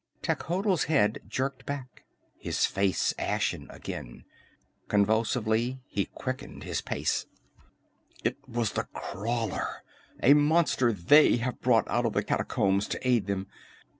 Techotl's head jerked back, his face ashy again. Convulsively he quickened his pace. "It was the Crawler! A monster they have brought out of the catacombs to aid them!